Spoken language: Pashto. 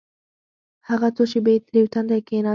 هغه څو شېبې تريو تندى کښېناست.